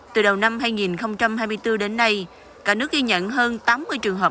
từ đầu năm hai nghìn hai mươi bốn đến nay cả nước ghi nhận hơn tám mươi trường hợp